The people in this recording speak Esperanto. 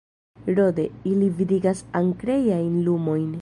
Rode, ili vidigas ankrejajn lumojn.